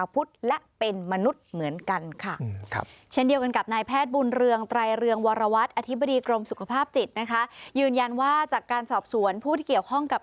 ยืนยันว่าจากการสอบสวนผู้ที่เกี่ยวข้องกับ